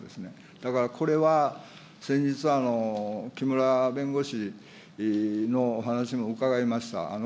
だから、これは先日、きむら弁護士の話も伺いました。